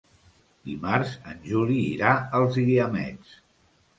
Dimarts en Juli irà als Guiamets.